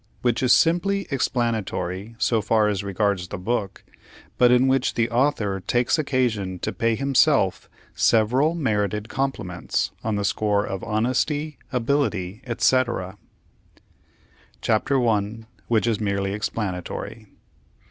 Which is simply explanatory, so far as regards the book, but in which the author takes occasion to pay himself several merited compliments, on the score of honesty, ability, etc. CHAPTER I. WHICH IS MERELY EXPLANATORY.